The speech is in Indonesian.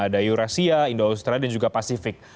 ada eurasia indonesia dan juga pasifik